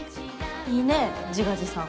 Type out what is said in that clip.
いいね自画自賛。